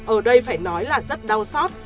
ở đây phải nói là rất đau xót